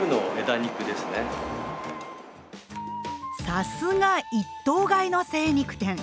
さすが一頭買いの精肉店！